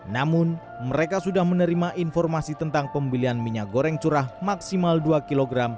namun mereka sudah menerima informasi tentang pembelian minyak goreng curah maksimal dua kg